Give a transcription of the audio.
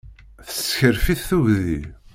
Tessekref-it tugdi.